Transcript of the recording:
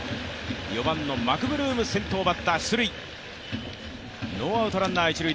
４番のマクブルーム、先頭バッター出塁。